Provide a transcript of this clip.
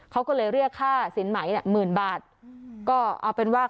เขาก็เลยเรียกฮ่าสินไหมน่ะ๑๐๐๐บาทก็เอาเป็นว่า